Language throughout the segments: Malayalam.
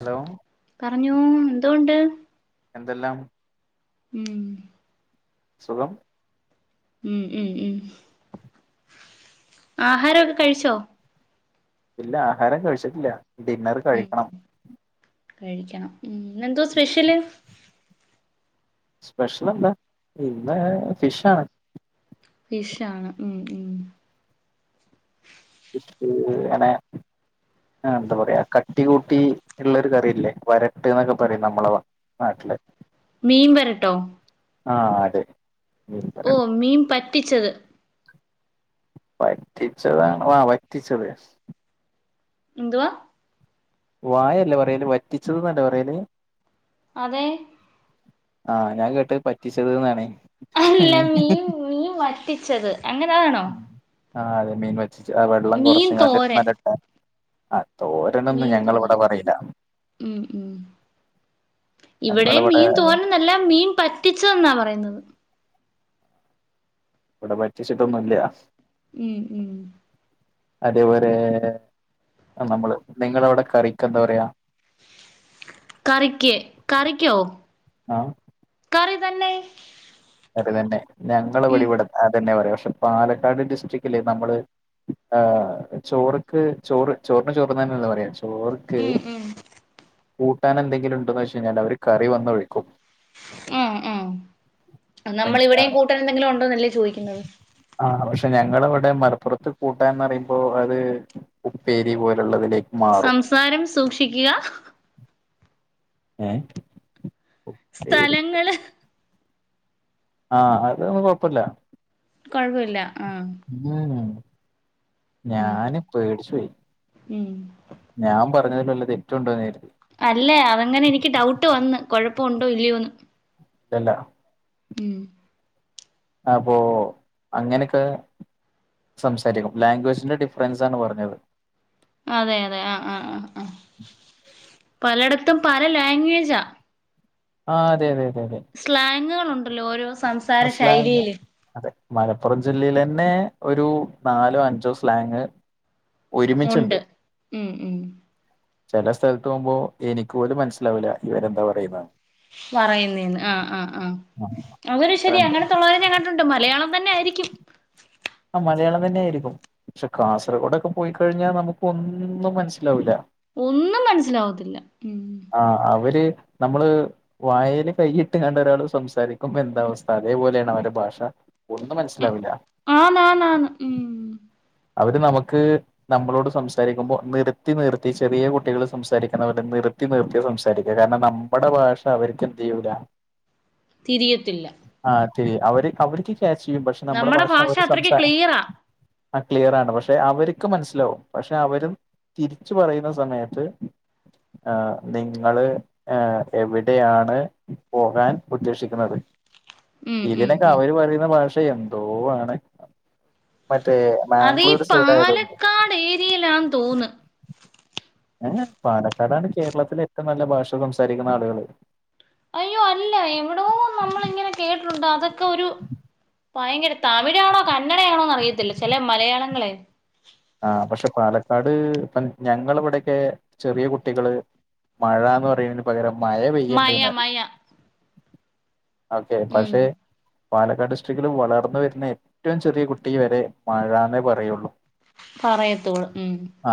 ഹലോ. പറഞ്ഞോ എന്തൊണ്ട്? എന്തെല്ലാം. ഉം. സുഖം. ഉം ഉം ഉം ആഹാരൊക്കെ കഴിച്ചോ? ഇല്ല ആഹാരം കഴിച്ചിട്ടില്ല ഡിന്നർ ഉം കഴിക്കണം. കഴിക്കണം ന്നെന്തോ സ്പെഷ്യല്? സ്പെഷ്ലെന്താ ഇന്ന് ഫിഷാണ്. ഫിഷാണ് ഉം ഉം. ഇ വടെ. ആഹ് ന്ത പറ്യാ കട്ടി കൂട്ടി ള്ളരു കറ്യല്ലേ വരട്ട്ന്നൊക്കെ പറിം നമ്മള നാട്ട്ല്. മീൻ വരട്ടോ? ആഹ് അതെ. മീൻ ഓഹ് വരട്ട് മീം പറ്റിച്ചത്. വറ്റിച്ചതാണോ ആ വറ്റിച്ചത്. എന്തുവാ? വായല്ലേ പറയല് വറ്റിചത്‍ന്നല്ലേ പറയല്? അതെ. ആഹ് ഞാൻ കേട്ട പറ്റിച്ചത് ന്നാണെ. അല്ല മീൻ മീൻ വറ്റിച്ചത് അങ്ങനെതാണോ? ആഹ് അതെ മീൻ വറ്റിച്ചത് ആ വെള്ളം മീൻ കൊറച്ചുംഗാണ്ട് തോരൻ നലട്ട ആ തോരണംന്ന് മീൻ ഞങ്ങള് തോരൻ വടെ പറയില. ഉം ഉം. ഇവിടേം ഞങ്ങളിവിടെ മീൻ തോരനെന്നല്ല മീൻ പറ്റിച്ചെന്നാ പറയുന്നത്. ഇവടെ പറ്റിച്ചിട്ടൊന്നുംല്ല. ഉം ഉം. അതേപോരേ അ നമ്മള് നിങ്ങളവ്ടെ കറിക്കെന്താ പറയാ? കറിക്ക് കറിക്ക്യോ ആ കറി തന്നെ. അത് തന്നെ ഞങ്ങള് ഉം വിടിവിട അത് തന്നെ പറയാ, പക്ഷെ പാലക്കാട് ഡിസ്ട്രിക്റ്റില് നമ്മള് ആ ചോറ്ക്ക് ചോറ് ചോറിന് ചോറ് തന്നെ ന്ന് പറയാ? ചോർക്ക് ഉം ഉം കൂട്ടാനെന്തെങ്കിലും ഉണ്ടോന്ന് ചോയ്ച്ചയ്ഞ്ഞാല് അവര് കറി വന്നൊഴിക്കും. ഏ ഏ നമ്മൾ ഇവിടെയും കൂട്ടൻ എന്തെങ്കിലും ഉണ്ടോന്നല്ലേ ചോദിക്കുന്നത്? ആ പക്ഷെ ഞങ്ങളവിടെ മലപ്പുറത്ത് കൂട്ടാന്ന് പറയുമ്പോ അത് ഉപ്പേരി പോലുള്ളത ലൈക്‌ സംസാരം സൂക്ഷിക്കുക. ഏഹ് സ്ഥലങ്ങള് ആഹ് അതൊന്നും കുഴപ്പമില്ല കുഴപ്പില്ല ആ ഞാൻ പേടിച്ചു പോയി ഉം ഞാൻ പറഞ്ഞതില് വല്ല തെറ്റുണ്ടോന്ന് കരുതി അല്ലേ അതങ്ങനെ എനിക്ക് ഡൗട്ട് വന്ന് കൊഴപ്പമുണ്ടോ ഇല്ലയോന്ന്. ഇല്ലല്ല ഉം അപ്പോ അങ്ങനോക്കാ സംസാരിക്കും ലാംഗ്വേജിന്റെ ഡിഫറൻസ് ആണ് പറഞ്ഞത്. അതെ അതെ ആ ആ ആ ആ പലയിടത്തും പല ലാംഗ്വേജ ആ അതെ അതെ അതെ അതെ സ്ലാങ്ങുകൾ ഉണ്ടല്ലോ ഓരോ സം ആ സ്ളങ്ങോ? അതെ മലപ്പുറം ജില്ലൽ ന്നെ ഒരു നാലോ അഞ്ചോ സ്ലാങ് ഒരുമിച്ചുണ്ട്. ഉണ്ട് ഉം ഉം ചില സ്ഥലത്ത് പോകുമ്പോ എനിക്ക് പോലും മനസ്സിലാവില്ല ഇവരെന്താ പറയുന്നന്ന്‌ പറയുന്നന്ന് ആ ആ ആ അവര് ശരി അങ്ങനെണ്ട് അങ്ങനത്തുള്ളവരെ ഞങ്ങ ണ്ട് മലയാളം തന്നെ ആയിരിക്കും. ആ മലയാളം തന്നെയായിരിക്കും പക്ഷെ കാസർഗോഡൊക്കെ പോയിക്കഴിഞ്ഞാൽ നമുക്ക് ഒന്നും മനസ്സിലാവൂല ഒന്നും മനസ്സിലാവത്തില്ല. ആ അവര് നമ്മള് വായെല് കൈയിട്ടുകണ്ട ഒരാള് സംസാരിക്കുമ്പോ എന്ത അവസ്ഥ അതേപോലെയാണ് അവരെ ഭാഷ ഒന്നും മനസ്സിലാവില്ല. ആന്നന്ന് ആന്ന് ഉം. അവര് നമുക്ക് നമ്മളോട് സംസാരിക്കുമ്പോൾ നിർത്തി നിർത്തി ചെറിയ കുട്ടികൾ സംസാരിക്കുന്നവരെ നിർത്തി കുത്തി നിർത്തിയ സംസാരിക്കുക കാരണം നമ്മുടെ ഭാഷ അവർക്ക് എന്ത് യ്യൂല തിരിയതില്ല ആ തിരി അവര് അവർക്ക് ക്യാച് ചെയ്യും പക്ഷെ നമ്മുടെ നമ്മടെ ഭാഷ അവര് അത്രയ്ക്ക് സംസാര ക്ലിയറാ ആ ക്ലിയർ ആണ് പക്ഷെ അവർക്ക് മനസ്സിലാവും പക്ഷെ അവരും തിരിച്ചു പറയുന്ന സമയത്ത് ഏ നിങ്ങള് ഏ എവിടെയാണ് പോകാൻ ഉദ്ദേശിക്കുന്നത് ഉം ഉം ഇതിനൊക്കെ ഉം അവര് പറയുന്ന ഭാഷ എന്തോ ആണ് മറ്റേ അതീ മാംഗ്ലൂർ സൈഡ് ആയതുകൊണ്ട് പാലക്കാട് ഏരിയയിലാ ന്ന് തോന്ന്‌ പാലക്കാടാണ് കേരളത്തിലെ ഏറ്റവും നല്ല ഭാഷ സംസാരിക്കുന്ന ആളുകള് അയ്യോ അല്ല എവിടോ നമ്മളിങ്ങനെ കേട്ടിട്ടുണ്ട് അതൊക്കൊ ഒരു ഫയങ്കര തമിഴാണോ കന്നഡയാണോന്ന് അറിയത്തില്ല ചില മലയാളങ്ങളെ ആ പക്ഷെ പാലക്കാട് ഞങ്ങളവിടൊക്കെ ചെറിയ കുട്ടികള് മഴ ന്ന് പറയയന പകരം മയ പെയ്യണ്ട് മയ ന്ന്‌ പറിം മയ ഓക്കെ ഉം പക്ഷെ പാലക്കാട് ഡിസ്ട്രിക്റ്റിൽ വളർന്ന വരുന്ന ഏറ്റവും ചെറിയ കുട്ടി വരെ മഴന്നേ പറയുള്ളൂ പറയത്തോളൂ ഉം ആ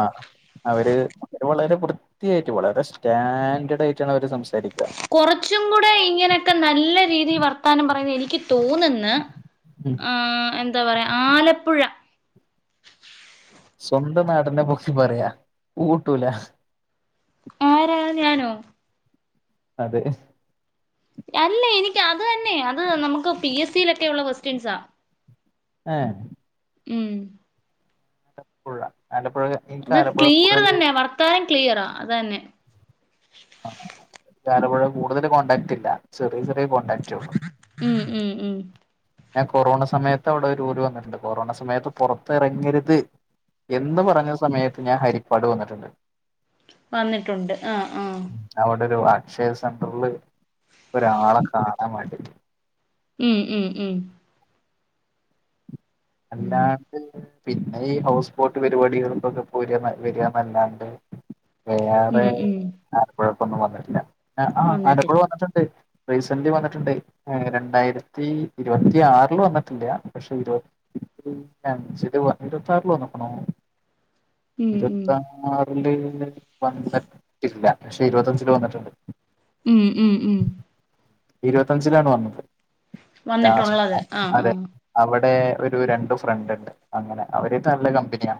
അവര് അവ വളരെ കുറ [unintelligible] വളരെ സ്റ്റാൻഡേഡ് ആയിട്ടാണ് അവര് സംസാരിക്ക കൊറച്ചും കൂടെ ഇങ്ങനെയൊക്കെ നല്ല രീതീ വർത്താനം പറയുന്നത് എനിക്ക് തോന്ന്‌ന്ന് ഉം ആഹ് എന്താ പറയാ ആലപ്പുഴ സ്വന്തം നാടിനെ പൊക്കി പറയാ. കൂട്ടൂല ആരാ ഞാനോ അതെ അല്ല എനിക്ക് അത് തന്നെ. അത് നമുക്ക് പി എസ് സിയിലൊക്കെ ഒള്ള ക്വസ്റ്റ്യൻസാ ഏഹ് ഉം ആലപ്പുഴ ആലപ്പുഴ എനിക്ക് അത് ക്ലിയർ കൂടുതല് തന്നെ വർത്താനം ക്ലിയറാ അത് തന്നെ ആഹ് അലപ്പുഴ കൂടുതല് കോണ്ടാക്ട് ഇല്ല ചെറ്യേയ ചെറ്യേയ കോടാക്ട്റ്റെ ഒള്ളു ഉം ഉം ഉം ഞാൻ കൊറോണ സമയത്ത് അവിടെ ഒരു കുറി വന്ന്ട്ട്ണ്ട് കൊറോണ സമയത്ത് പൊറത്തെറങ്ങെരുത് എന്ന്‌ പറഞ്ഞ സമയത്ത് ഞാൻ ഹരിപ്പാട് വന്ന്‌ട്ട്ണ്ട് വന്നിട്ടുണ്ട് ആഹ് ആഹ് അവിടെ ഒരു അക്ഷയ സെന്ററ്ല് ഒരാളെ കാണാൻ വാണ്ടിട്ട് ഉം ഉം ഉം ഉം അല്ലാണ്ട് പിന്നെ ഈ ഹൗസ്പോട്ട് പരിപാടികൾക്കൊക്കെ പോരന്ന് വര്യ ന്നല്ലാണ്ട് വേറെ ഉം ഉം ആലപ്പുഴെക്കൊന്നും വന്ന്ട്ട്ല്ല. ആഹ് വന്നിട്ടില്ല ആലപ്പുഴ വന്നിട്ട്ണ്ട് റീസെന്റ്ലി വന്നിട്ട്ണ്ട്. രണ്ടായിരത്തി ഇരുപത്തിയാറ്ല് വന്നിട്ടില്ല. പക്ഷെ ഇരുപ ഇരുപത്തിഅഞ്ചില് വന്നിട്ട് [inaudible] ഇരുപത്തിആറില വന്ന്ക്ക്ണോ ഉം ഉം ഇരുത്താ ആറില് വന്ന്ട്ടില്ല. പക്ഷെ ഇരുപത്തഞ്ചില് വന്ന്ട്ട്ണ്ട് ഉം ഉം ഉം ഇരുപത്തഞ്ചിലാണ് വന്നത്. ലാസ്റ്റ് വന്നിട്ടുള്ളത് ആഹ് അതെ ആഹ് അവിടെ ഒരു രണ്ടു ഫ്രണ്ട് ഇണ്ട് അങ്ങനെ അവരേറ്റ് നല്ല കമ്പനിയാ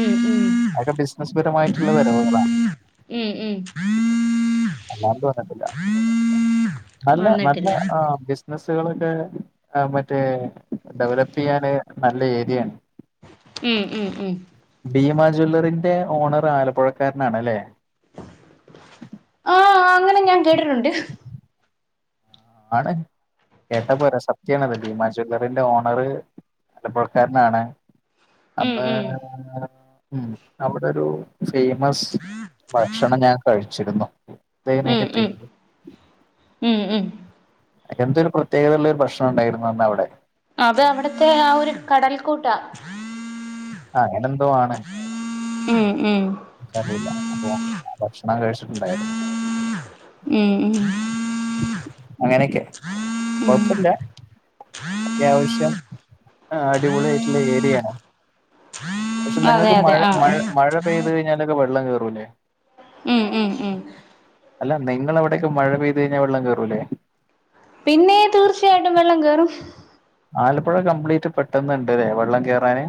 ഉം ഉം അതൊക്കെ ബിസിനസ് പരമായിട്ട്ള്ള വരവുകളാ ഉം ഉം [inaudible] അല്ലാണ്ട് വന്നിട്ടില്ല നല്ല നല്ല വന്നിട്ടില്ല ബിസിനസുകളൊക്കെ മറ്റേ ഡെവലപ്പെ യ്യാന് നല്ല ഏരിയാണ് ഉം ഉം ഉം ഭീമ ജ്വല്ലറിന്റെ ഓണർ ആലപ്പുഴക്കാരനാണെല്ലേ ആ അങ്ങനെ ഞാൻ കേട്ടിട്ടുണ്ട് ആണ് കേട്ടപ്പോരാ. സത്യാണത് ഭീമാ ജ്വല്ലറിന്റെ ഓണറ് ആലപ്പുഴക്കാരനാണ് ഉം അന്ന് ഉം ഉം അവിടെരു ഫേമസ് ഭക്ഷണം ഞാൻ കഴിച്ചിരുന്നു. ഉം തേനൈന്റെ ഉം പേര്. ഉം ഉം എന്തൊരു പ്രത്യേകത ഉള്ളൊരു പ്രശ്നം ഉണ്ടായിരുന്നു അന്ന് അവടെ. അത് അവിടത്തെ ആ ഒരു കടൽക്കൂട്ടാ ആ അയിനറന്തോ ആണ്. ഉം ഉം അറിയില്ല. അപ്പൊ ഭക്ഷണം കഴിച്ചിട്ടുണ്ടായിരുന്നു. ഉം ഉം അങ്ങനെയൊക്കെ ഉം കൊഴപ്പല്ല. അതാവശ്യം ആഹ് അടിപൊളി ആയിട്ട്ള്ള ഏരിയ ആണ്. പക്ഷെ അതെ നിങ്ങൾക്ക് അതെ മഴ മഴ ആഹ് മഴ പെയ്ത് കഴിഞ്ഞാലൊക്കെ വെള്ളം കേറുല്ലേ. ഉം ഉം ഉം അല്ല, നിങ്ങളവിടൊക്കെ മഴ പെയ്ത് കഴിഞ്ഞാൽ വെള്ളം കേറൂലേ. പിന്നെ തീർച്ചയായിട്ടും വെള്ളം കേറും. ആലപ്പുഴ കംപ്ലീറ്റ് പെട്ടെന്നിണ്ട് ലെ വെള്ളം കേറാന്.